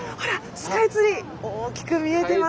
スカイツリー大きく見えてます。